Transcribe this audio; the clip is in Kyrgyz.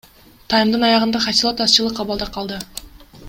Таймдын аягында Хосилот азчылык абалда калды.